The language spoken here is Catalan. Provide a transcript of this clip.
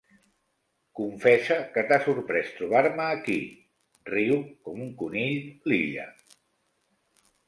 Confessa que t'ha sorprès trobar-me aquí —riu com un conill l'Illa.